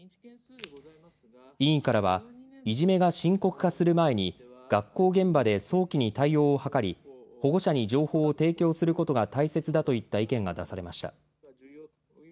委員からはいじめが深刻化する前に学校現場で早期に対応を図り保護者に情報を提供することが大切だといった意見が出されました。